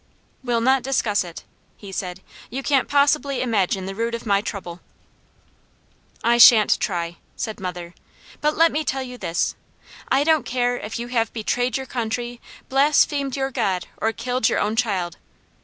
"We'll not discuss it," he said. "You can't possibly imagine the root of my trouble." "I shan't try!" said mother. "But let me tell you this: I don't care if you have betrayed your country, blasphemed your God, or killed your own child!